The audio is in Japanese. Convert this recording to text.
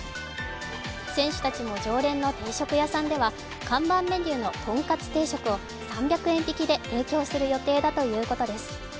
選手たちも常連の定食屋さんでは看板メニューのとんかつ定食を３００円引きで提供する予定だということです。